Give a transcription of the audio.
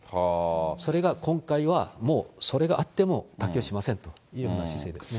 それが今回は、もうそれがあっても妥協しませんというような姿勢ですね。